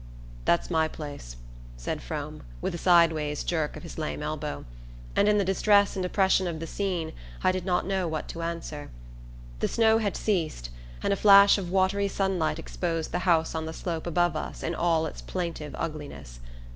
"That's my place," said Frome, with a sideway jerk of his lame elbow; and in the distress and oppression of the scene I did not know what to answer. The snow had ceased, and a flash of watery sunlight exposed the house on the slope above us in all its plaintive ugliness.